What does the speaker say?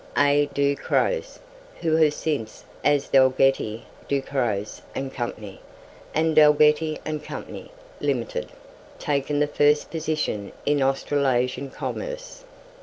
A. Du Croz, who have since, as Dalgety, Du Croz and Co., and Dalgety and Co. Limited, taken the first position in Australasian commerce.